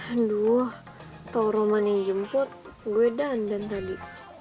aduh tau roman yang jemput gue dandan tadi